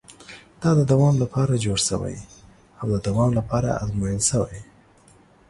دا د دوام لپاره جوړ شوی او د دوام لپاره ازمول شوی.